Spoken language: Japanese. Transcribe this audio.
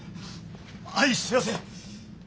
あいすいやせん！